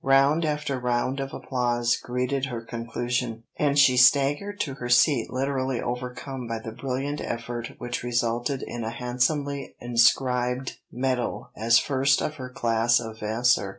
Round after round of applause greeted her conclusion, and she staggered to her seat literally overcome by the brilliant effort which resulted in a handsomely inscribed medal as first of her class of Vassar.